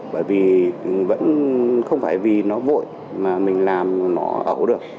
bởi vì vẫn không phải vì nó vội mà mình làm nó ẩu được